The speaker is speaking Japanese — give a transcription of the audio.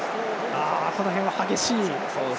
この辺は、激しい。